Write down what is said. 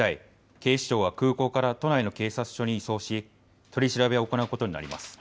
警視庁は空港から都内の警察署に移送し取り調べを行うことになります。